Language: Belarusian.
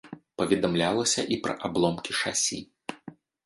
Паведамлялася і пра абломкі шасі.